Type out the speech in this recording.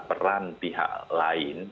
peran pihak lain